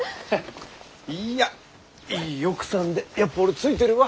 いやいい奥さんでやっぱ俺ついてるわ。